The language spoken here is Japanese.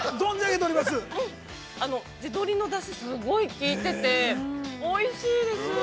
地鶏のだし、すごいきいてて、おいしいです。